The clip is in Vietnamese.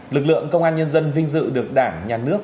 lực lượng công an nhân dân vinh dự được đảng nhà nước